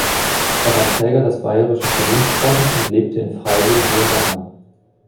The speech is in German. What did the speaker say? Er war Träger des Bayerischen Verdienstordens und lebte in Freising-Hohenbachern.